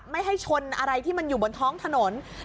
ไม่ให้ชนอะไรที่มันอยู่บนท้องถนน